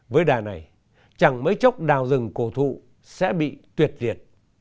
với đà này chẳng mấy chốc đào rừng cổ thụ sẽ bị tuyệt diệt